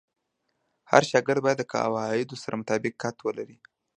هر شاګرد باید د قواعدو سره مطابقت ولري.